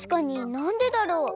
なんでだろう？